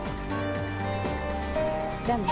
じゃあね。